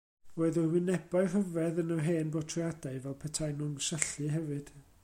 Roedd yr wynebau rhyfedd yn yr hen bortreadau fel petaen nhw yn syllu hefyd.